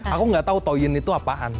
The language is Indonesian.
aku nggak tahu toyin itu apaan